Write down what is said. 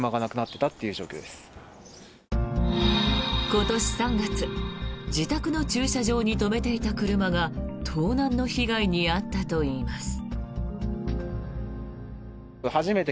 今年３月自宅の駐車場に止めていた車が盗難の被害に遭ったといいます。